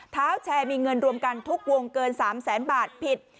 เท้าแชร์มีเงินรวมกันทุกวงเกิน๓แสนบาทผิด